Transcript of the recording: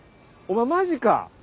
お前マジか？